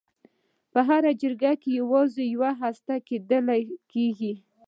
په هره حجره کې یوازې یوه هسته لیدل کېږي.